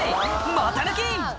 股抜き！」